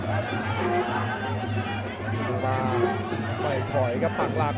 วงเงินเข้ามาไม่ปล่อยครับปากหลัก